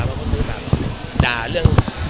เพราะมันคือแบบด่าเรื่อง